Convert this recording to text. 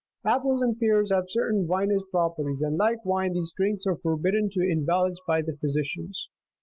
22 Apples and pears have certain vinous 23 properties, and like wine these drinks are forbidden to invalids by the physicians.